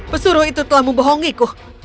pesuruh itu telah membohongiku